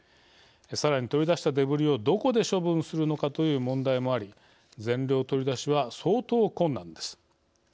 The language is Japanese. さらに取り出したデブリをどこで処分するのかという問題もあり全量取り出しは相当困難です。